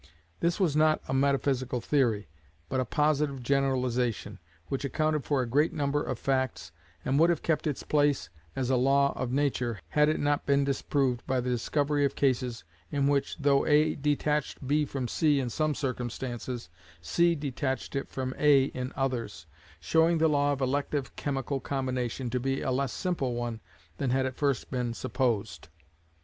This was not a metaphysical theory, but a positive generalization, which accounted for a great number of facts, and would have kept its place as a law of nature, had it not been disproved by the discovery of cases in which though A detached B from C in some circumstances, C detached it from A in others, showing the law of elective chemical combination to be a less simple one than had at first been supposed.